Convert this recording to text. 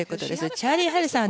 チャーリー・ハルさん